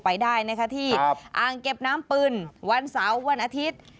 ไปได้นะคะที่อ่างเก็บน้ำปึ่นวันเสาร์วันอาทิตย์